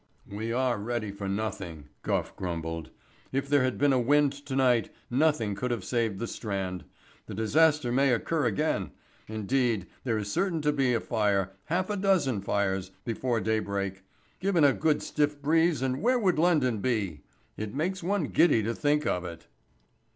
"We are ready for nothing," Gough grumbled. "If there had been a wind to night, nothing could have saved the Strand. The disaster may occur again; indeed, there is certain to be a fire, half a dozen fires, before daybreak. Given a good stiff breeze and where would London be? It makes one giddy to think of it."